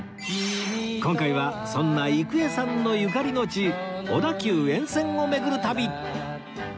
今回はそんな郁恵さんのゆかりの地小田急沿線を巡る旅